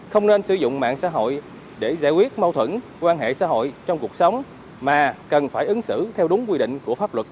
không nên sử dụng mạng xã hội để giải quyết mâu thuẫn quan hệ xã hội trong cuộc sống mà cần phải ứng xử theo đúng quy định của pháp luật